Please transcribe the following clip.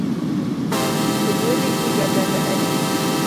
Onyuoli higa gana adi?